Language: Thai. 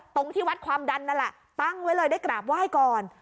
ที่วัดความดันนั่นแหละตั้งไว้เลยได้กราบไหว้ก่อน